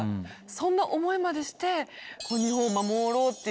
そんな思いまでして。